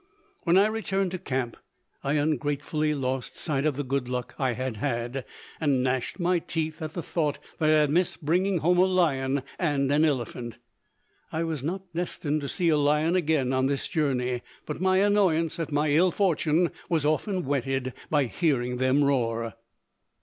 When I returned to camp, I ungratefully lost sight of the good luck I had had, and gnashed my teeth at the thought that I had missed bringing home a lion and an elephant. I was not destined to see a lion again on this journey, but my annoyance at my ill fortune was often whetted by hearing them roar.